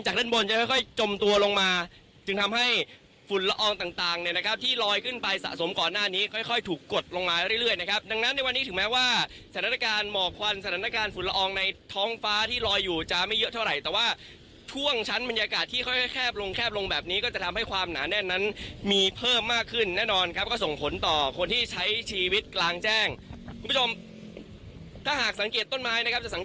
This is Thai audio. ก็จะลอยขึ้นไปสะสมก่อนหน้านี้ค่อยถูกกดลงมาเรื่อยนะครับดังนั้นในวันนี้ถึงแม้ว่าสถานการณ์หมอกควันสถานการณ์ฝุ่นละอองในท้องฟ้าที่ลอยอยู่จะไม่เยอะเท่าไหร่แต่ว่าท่วงชั้นบรรยากาศที่ค่อยแคบลงแคบลงแบบนี้ก็จะทำให้ความหนาแน่นนั้นมีเพิ่มมากขึ้นแน่นอนครับก็ส่งผลต่อคนที่ใช้ชีวิตกลาง